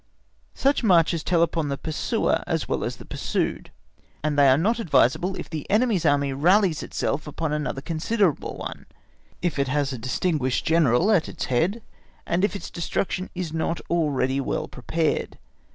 Such marches tell upon the pursuer as well as the pursued, and they are not advisable if the enemy's Army rallies itself upon another considerable one; if it has a distinguished General at its head, and if its destruction is not already well prepared.